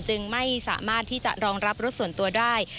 จึงไม่สามารถที่จะรองรับรถส่วนตัวได้